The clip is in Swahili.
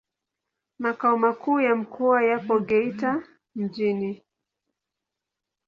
Makao makuu ya mkoa yapo Geita mjini.